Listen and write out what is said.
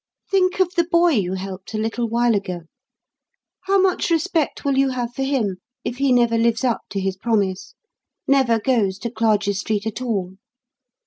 Think of the boy you helped a little while ago. How much respect will you have for him if he never lives up to his promise; never goes to Clarges Street at all?